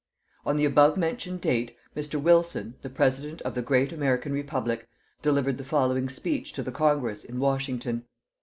On the above mentioned date, Mr. Wilson, the President of the great American Republic, delivered the following speech to the Congress, in Washington.